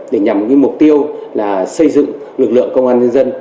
để nhằm cái mục tiêu là xây dựng lực lượng công an dân dân